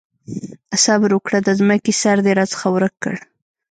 صبره وکړه! د ځمکې سر دې راڅخه ورک کړ.